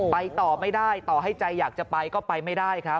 ไปต่อไม่ได้ต่อให้ใจอยากจะไปก็ไปไม่ได้ครับ